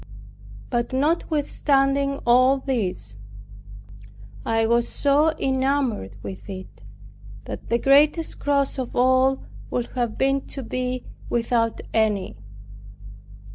But notwithstanding all this, I was so enamored with it, that the greatest cross of all would have been to be without any.